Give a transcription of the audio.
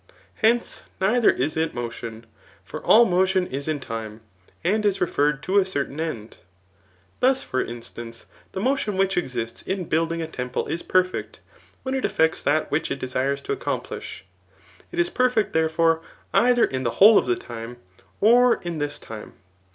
Hence, neither is it modon ; for all motion is in dme, and is referred to a certain end. Thus, for instance, the modon which exists in building a temple is perfect, when it effects that which it desires to accomplish. It is perfect, therefore, either in the whole of the dme, or in this time.